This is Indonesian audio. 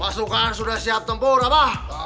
pasukan sudah siap tempur apa